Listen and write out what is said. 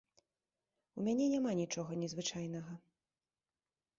У мяне няма нічога незвычайнага.